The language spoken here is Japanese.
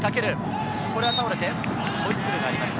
倒れてホイッスルがありました。